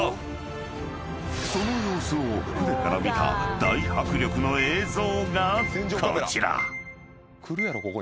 ［その様子を船から見た大迫力の映像がこちら］